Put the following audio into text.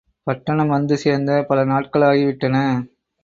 பட்டணம் வந்து சேர்ந்து பல நாட்களாகி விட்டன.